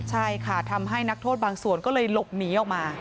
ใช่ค่ะทำให้นักโทษบางส่วนก็เลยหลบหนีออกมา